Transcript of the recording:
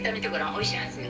おいしいはずよ。